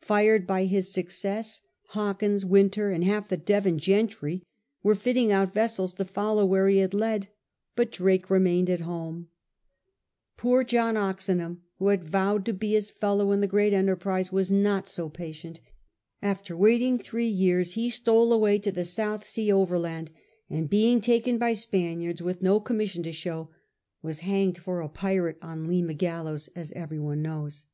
Fired by his success, Hawkins, Wynter, and half the Devon gentry were fitting out vessels to follow where he had led, but Drake remained at home.^ Poor ^ UemffriM de los CorsarioSf etc., uJn aupra. IT IN HIDING 51 John Oxenham, who had vowed to be his fellow in the great enterprise, was not so patient After waiting three years, he stole away to the South Sea overland, and being taken by Spaniards, with no commission to show, was hanged for a pirate on Lima gallows, as every one knows.